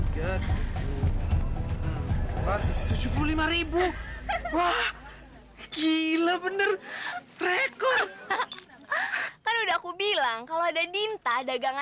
kamu pikir aku mau dinikahin sama kamu ha